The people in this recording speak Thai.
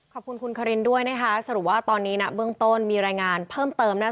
ขอบคุณคุณคารินด้วยนะคะสรุปว่าตอนนี้นะเบื้องต้นมีรายงานเพิ่มเติมนะคะ